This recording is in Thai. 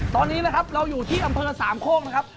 ตอนนี้นะครับเราอยู่ที่อำเภอสามโคกนะครับ